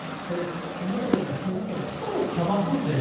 その中でも気になったのは例えば、たばこ税。